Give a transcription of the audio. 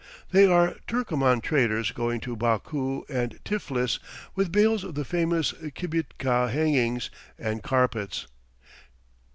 They are Turcoman traders going to Baku and Tiflis with bales of the famous kibitka hangings and carpets.